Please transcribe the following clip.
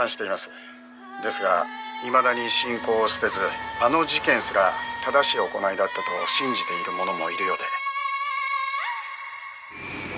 「ですがいまだに信仰を捨てずあの事件すら正しい行いだったと信じている者もいるようで」